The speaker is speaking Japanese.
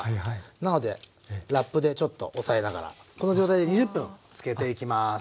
なのでラップでちょっと押さえながらこの状態で２０分つけていきます。